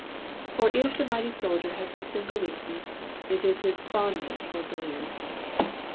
For if the mighty soldier has a single weakness, it is his fondness for billiards.